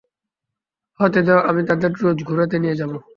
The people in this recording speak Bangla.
হতে দেও আমি তাদের রোজ ঘুরাতে নিয়ে যাবো।